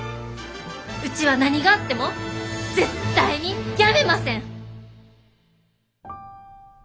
うちは何があっても絶対に辞めません！